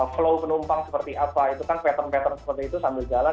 flow penumpang seperti apa itu kan pattern pattern seperti itu sambil jalan